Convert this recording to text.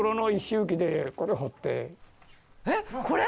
えっこれ？